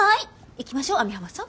行きましょう網浜さん。